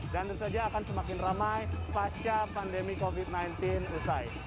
dan terus saja akan semakin ramai pasca pandemi covid sembilan belas usai